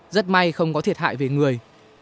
rất may không có thiệt hại về người